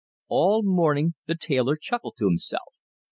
All morning the tailor chuckled to himself.